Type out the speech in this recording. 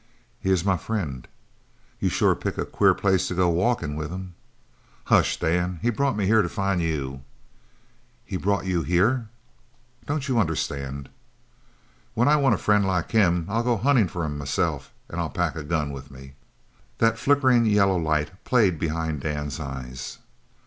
"He is my friend!" "You sure pick a queer place to go walkin' with him." "Hush, Dan! He brought me here to find you!" "He brought you here?" "Don't you understand?" "When I want a friend like him, I'll go huntin' for him myself; an' I'll pack a gun with me!" That flickering yellow light played behind Dan's eyes.